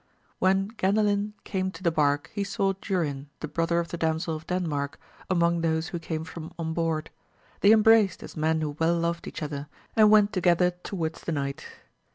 When Gandalin came to the bark he saw Durin, the brother of the Damsel of Denmark, among those who came from on board ; they embraced as men who well loved each other, and went together towards the knight.